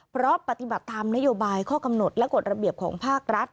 เพราะปฏิบัติตามนโยบายข้อกำหนดและกฎระเบียบของภาครัฐ